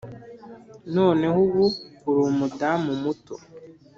noneho ubu uri umudamu muto